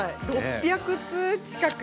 ６００通近く。